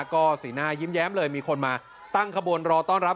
ก็สีหน้ายิ้มแย้มเลยมีคนมาตั้งขบวนรอต้อนรับ